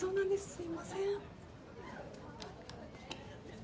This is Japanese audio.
すいません。